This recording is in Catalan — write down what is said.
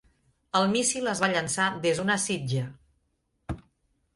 El míssil es va llançar des d'una sitja.